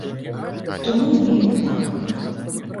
То мы неяк так.